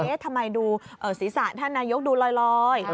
ทำไมดูศีรษะท่านนายกดูลอย